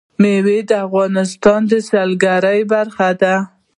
مېوې د افغانستان د سیلګرۍ برخه ده.